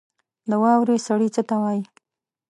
د واورې سړي ته څه وايي؟